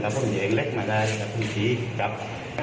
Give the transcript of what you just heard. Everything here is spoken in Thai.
พรภาพคุมตีก็ได้ครับพี่ปุ๊บฐีจับ